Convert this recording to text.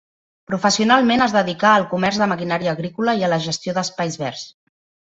Professionalment es dedicà al comerç de maquinària agrícola i a la gestió d'espais verds.